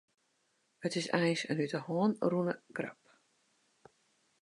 It is eins in út 'e hân rûne grap.